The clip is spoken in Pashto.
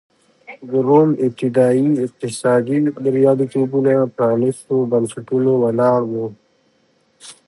د روم ابتدايي اقتصادي بریالیتوبونه پرانېستو بنسټونو ولاړ و.